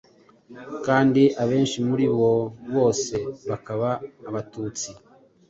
Kandi abenshi muri abo bose bakaba Abatutsi.